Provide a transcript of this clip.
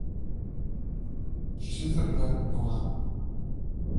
Пілчезер бе, ноға?